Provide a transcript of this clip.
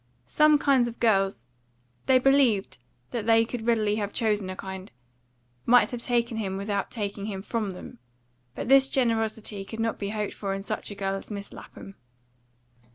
Some kinds of girls they believed that they could readily have chosen a kind might have taken him without taking him from them; but this generosity could not be hoped for in such a girl as Miss Lapham.